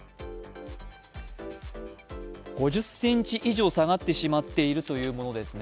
５０ｃｍ以上下がってしまっているということですね。